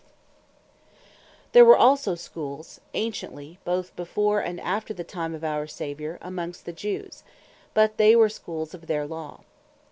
Of The Schools Of The Jews There were also Schools, anciently, both before, and after the time of our Saviour, amongst the Jews: but they were Schools of their Law.